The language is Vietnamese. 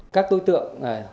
các đối tượng